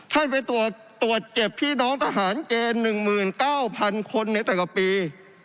ท่านไปตรวจเจ็บพี่น้องทหารเกณฑ์๑๙๐๐คนในแต่ละปี